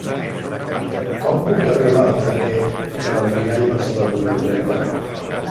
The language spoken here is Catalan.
Com puc arribar al carrer de l'Almirall Barceló número trenta?